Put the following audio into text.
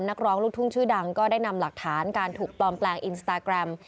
นักร้องลูกทุ่งชื่อดังก็ได้นำหลักฐานการถูกปลอมแปลงอินสตาแกรม